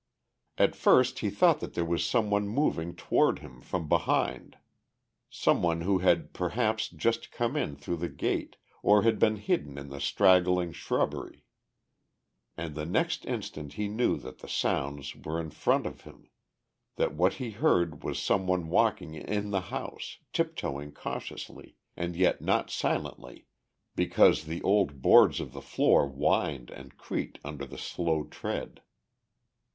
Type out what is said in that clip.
At first he thought that there was some one moving toward him from behind, some one who had perhaps just come in through the gate or had been hidden in the straggling shrubbery. And the next instant he knew that the sounds were in front of him, that what he heard was some one walking in the house, tiptoeing cautiously, and yet not silently because the old boards of the floor whined and creaked under the slow tread.